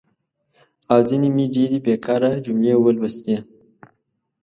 او ځینې مې ډېرې بېکاره جملې ولوستي.